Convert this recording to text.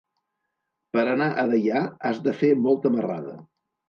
Per anar a Deià has de fer molta marrada.